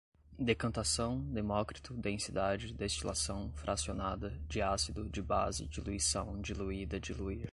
decantação, demócrito, densidade, destilação fracionada, diácido, dibase, diluição, diluída, diluir